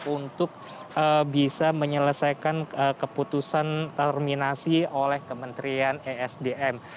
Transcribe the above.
untuk bisa menyelesaikan keputusan terminasi oleh kementerian esdm